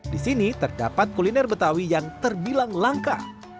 di sini terdapat kuliner betawi yang terbilang langka